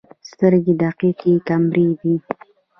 سترګې دقیق کیمرې دي.